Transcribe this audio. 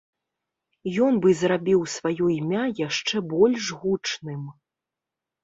Ён бы зрабіў сваё імя яшчэ больш гучным.